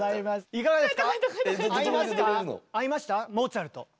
いかがですか？